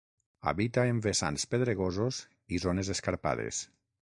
Habita en vessants pedregosos i zones escarpades.